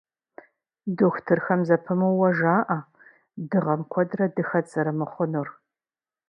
Дохутырхэм зэпымыууэ жаӀэ дыгъэм куэдрэ дыхэт зэрымыхъунур.